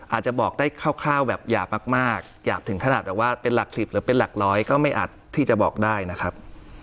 อาจจะบอกได้คร่าวแบบอย่ามากอย่าถึงขนาดแบบว่าเป็นหลัก๑๐หรือเป็นหลักร้อยก็ไม่อาจที่จะบอกได้นะครับ